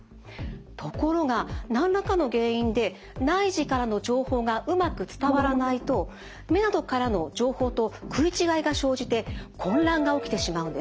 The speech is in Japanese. ところが何らかの原因で内耳からの情報がうまく伝わらないと目などからの情報と食い違いが生じて混乱が起きてしまうんです。